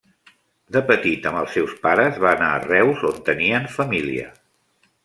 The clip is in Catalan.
De petit amb els seus pares, va anar a Reus on tenien família.